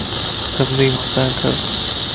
گندي مٿان ڪر